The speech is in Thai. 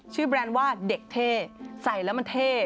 แบรนด์ว่าเด็กเท่ใส่แล้วมันเท่